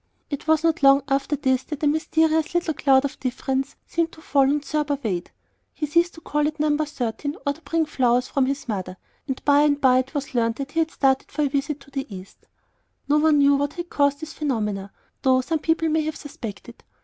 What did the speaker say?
It was not long after this that a mysterious little cloud of difference seemed to fall on Thurber Wade. He ceased to call at No. 13, or to bring flowers from his mother; and by and by it was learned that he had started for a visit to the East. No one knew what had caused these phenomena, though some people may have suspected.